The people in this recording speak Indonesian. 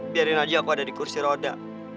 biarin aja aku ada di kursi roda